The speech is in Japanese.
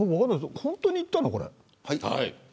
本当に言ったの、これ。